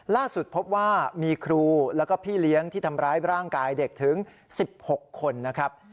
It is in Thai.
ล่าสุดพบว่ามีครูแล้วก็พี่เลี้ยงที่ทำร้ายร่างกายเด็กถึง๑๖คนนะครับ